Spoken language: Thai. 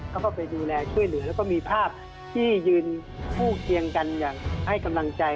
เข้าไปดูแลช่วยเหลือแล้วก็มีภาพที่ยืนคู่เคียงกันอย่างให้กำลังใจ